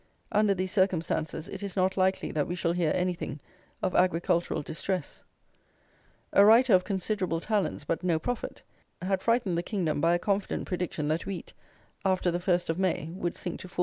Under these circumstances, it is not likely that we shall hear anything of agricultural distress. A writer of considerable talents, but no prophet, had frightened the kingdom by a confident prediction that wheat, after the 1st of May, would sink to 4_s.